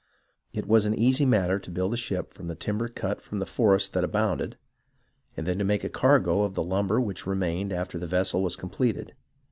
It was an easy matter to build a ship from the timber cut from the forests that abounded, and then to make a cargo of the lumber which remained after the vessel was completed.